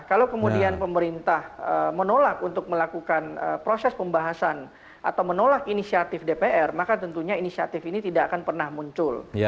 kalau kemudian pemerintah menolak untuk melakukan proses pembahasan atau menolak inisiatif dpr maka tentunya inisiatif ini tidak akan pernah muncul